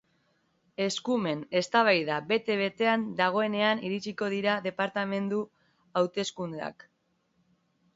Eskumenen eztabaida bete-betean dagoenean iritsiko dira departamendu hauteskundeak.